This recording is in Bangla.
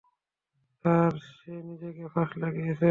স্যার, সে নিজেকে ফাঁস লাগিয়েছে।